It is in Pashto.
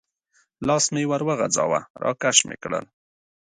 لاس مې ور وغځاوه، را کش مې کړل.